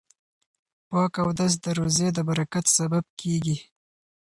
پاک اودس د روزۍ د برکت سبب کیږي.